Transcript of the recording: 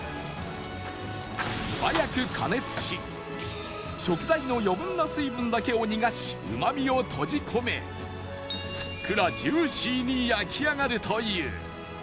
素早く加熱し食材の余分な水分だけを逃がしうまみを閉じ込めふっくらジューシーに焼き上がるという